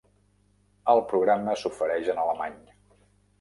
El programa s'ofereix en Alemany.